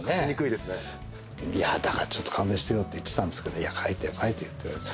いやだからちょっと勘弁してよって言ってたんですけど「書いてよ」って言われて。